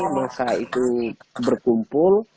massa itu berkumpul